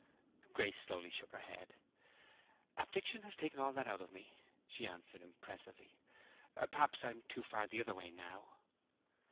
Grace slowly shook her head. "Affliction has taken all that out of me," she answered, impressively. "Perhaps I am too far the other way now."